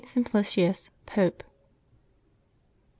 SIMPLICIUS, Pope. [t.